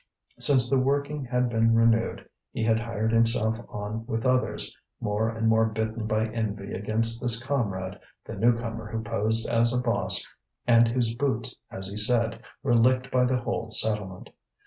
Since the working had been renewed he had hired himself on with others, more and more bitten by envy against this comrade, the new comer who posed as a boss and whose boots, as he said, were licked by the whole settlement.